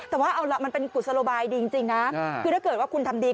แต่ว่าเอาล่ะมันเป็นกุศโลบายดีจริงนะคือถ้าเกิดว่าคุณทำดี